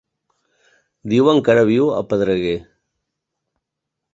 Diuen que ara viu a Pedreguer.